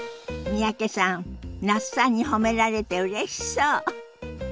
三宅さん那須さんに褒められてうれしそう。